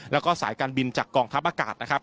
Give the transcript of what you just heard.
แล้วก็สายการบินจากกองทัพอากาศนะครับ